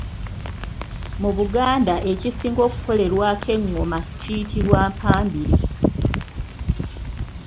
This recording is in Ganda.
Mu Buganda ekisinga okukolerwako engoma kiyitibwa Mpambire.